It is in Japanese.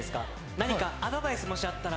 何かアドバイスあったら。